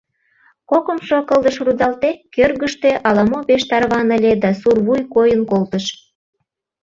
Кокымшо кылдыш рудалте, кӧргыштӧ ала-мо пеш тарваныле да сур вуй койын колтыш.